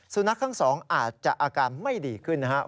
สุนัขทั้งสองอาจจะอาการไม่ดีขึ้นนะครับ